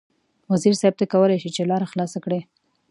وزیر صیب ته کولای شې چې لاره خلاصه کړې.